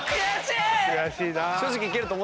悔しいな。